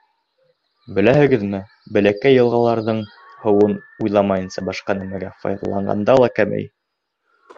— Беләһегеҙме, бәләкәй йылғаларҙың һыуын уйламайынса башҡа нәмәгә файҙаланғанда ла кәмей.